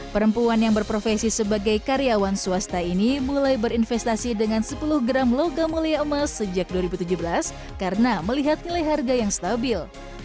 perempuan yang berprofesi sebagai karyawan swasta ini mulai berinvestasi dengan sepuluh gram logam mulia emas sejak dua ribu tujuh belas karena melihat nilai harga yang stabil